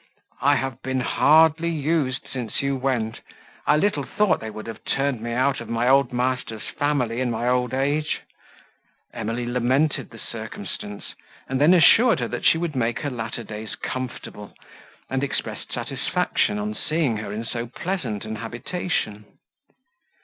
I have been hardly used, since you went; I little thought they would have turned me out of my old master's family in my old age!" Emily lamented the circumstance, and then assured her, that she would make her latter days comfortable, and expressed satisfaction, on seeing her in so pleasant a habitation.